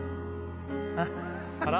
あら？